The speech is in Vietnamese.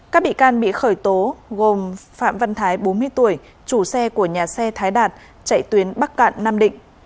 các bị can bị khởi tố gồm phạm văn thái bốn mươi tuổi chủ xe của nhà xe thái đạt chạy tuyến bắc cạn nam định